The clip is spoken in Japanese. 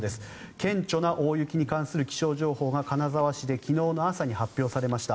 顕著な大雪に関する気象情報が金沢市で昨日の朝に発表されました。